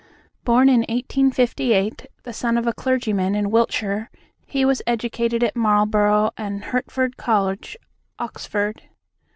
Born in 1858, the son of a clergyman in Wiltshire, he was educated at Marlborough and Hertford College, Oxford.